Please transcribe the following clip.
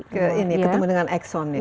ketemu dengan exxon ya